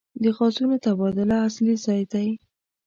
د غازونو تبادله اصلي ځای دی.